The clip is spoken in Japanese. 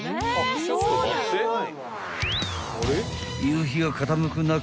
［夕日が傾く中］